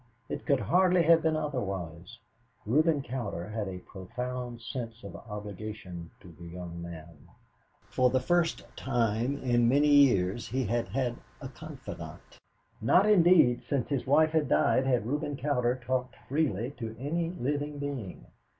It could hardly have been otherwise. Reuben Cowder had a profound sense of obligation to the young man. For the first time in many years he had had a confidant. Not indeed since his wife died had Reuben Cowder talked freely to any living being.